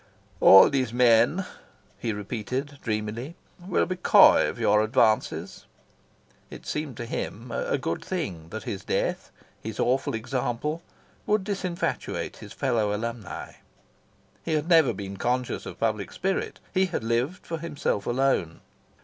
"All these men," he repeated dreamily, "will be coy of your advances." It seemed to him a good thing that his death, his awful example, would disinfatuate his fellow alumni. He had never been conscious of public spirit. He had lived for himself alone.